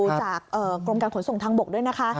จากกรมการขนส่งทางบกด้วยนะคะ